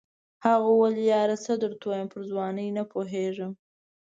هغه وویل یاره څه درته ووایم پر ځوانۍ نه پوهېږم.